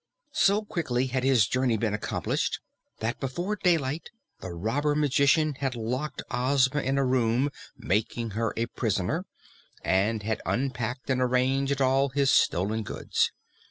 So quickly had his journey been accomplished that before daylight the robber magician had locked Ozma in a room, making her a prisoner, and had unpacked and arranged all his stolen goods.